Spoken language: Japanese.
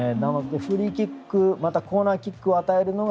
フリーキックコーナーキックを与えるのが